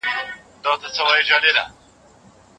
آیا تاسو په خپلو خوړو کې له تور مرچ څخه کار اخلئ؟